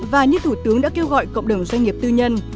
và như thủ tướng đã kêu gọi cộng đồng doanh nghiệp tư nhân